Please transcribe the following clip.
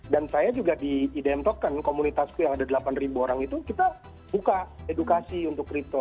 dan saya juga di idm token komunitasku yang ada delapan ribu orang itu kita buka edukasi untuk crypto